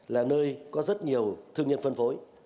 là nơi có rất nhiều thương nhân phân phối